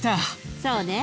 そうね。